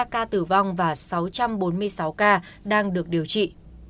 năm mươi ba ca tử vong và sáu trăm bốn mươi sáu ca đang được điều trị